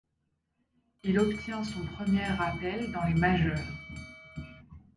Il obtient son premier rappel dans les majeures.